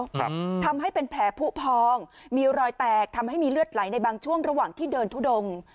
ครับทำให้เป็นแผลผู้พองมีรอยแตกทำให้มีเลือดไหลในบางช่วงระหว่างที่เดินทุดง